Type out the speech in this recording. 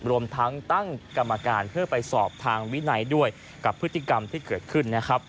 รวมทั้งตั้งกรรมการเพื่อไปสอบทางวินัยด้วยกับพฤติกรรมที่เกิดขึ้นนะครับ